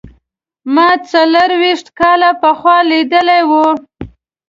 ما څلوېښت کاله پخوا لیدلی و.